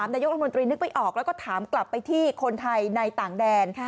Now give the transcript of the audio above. นายกรัฐมนตรีนึกไม่ออกแล้วก็ถามกลับไปที่คนไทยในต่างแดน